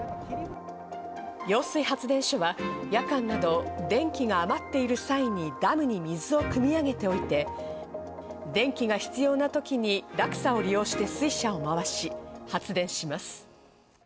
揚水発電所は夜間など電気が余っている際にダムに水をくみ上げておいて、電気が必要な時に落差を利用して水車をまわし、発電します。